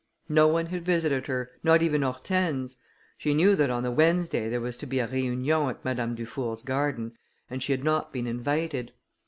No one had visited her, not even Hortense. She knew that on the Wednesday there was to be a réunion at Madame Dufour's garden, and she had not been invited.